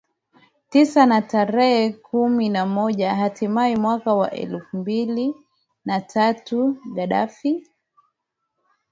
tisa na tarehe kumi na moja Hatimaye mwaka wa elfu mbili na tatu Gaddafi